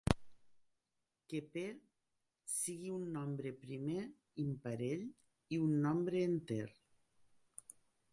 Que p sigui un nombre primer imparell i un nombre enter.